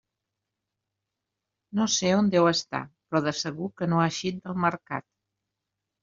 No sé on deu estar, però de segur que no ha eixit del Mercat.